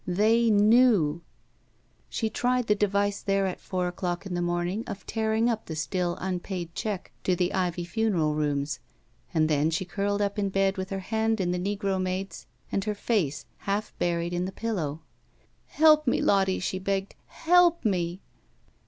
They knew! She tried the device there at four o'clock in the morning of tearing up the still unpaid check I02 BACK PAY to the Ivy Fimeral Rooms, and then she curled up in bed with her hand in the negro maid's and her face half buried in the pillow. *'Help me, Lottie!" she begged; ''help me!"